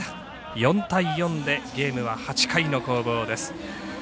４対４でゲームは８回の攻防です。